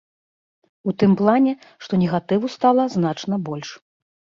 У тым плане, што негатыву стала значна больш.